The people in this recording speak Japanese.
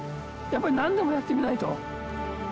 やっぱりなんでもやってみないと。